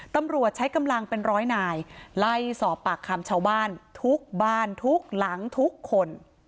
ตำรวจใช้กำลังเป็นร้อยนายไล่สอบปากคำชาวบ้านทุกบ้านทุกหลังทุกคน